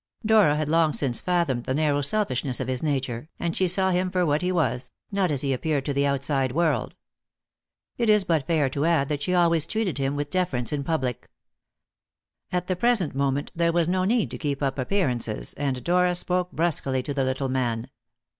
Dora had long since fathomed the narrow selfishness of his nature, and she saw him for what he was, not as he appeared to the outside world. It is but fair to add that she always treated him with deference in public. At the present moment there was no need to keep up appearances, and Dora spoke brusquely to the little man.